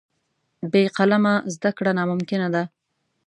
بې قلمه زده کړه ناممکنه ده.